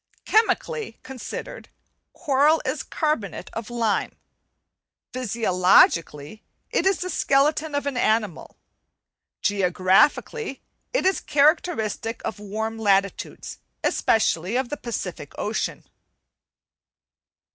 Chemically considered, coral is carbonate of like; physiologically, it is the skeleton of an animal; geographically, it is characteristic of warm latitudes, especially of the Pacific Ocean."